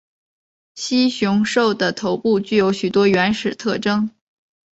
蜥熊兽的头部具有许多原始特征。